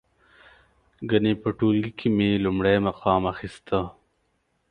ګنې په ټولګي کې مې لومړی مقام اخسته.